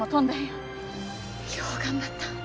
よう頑張った。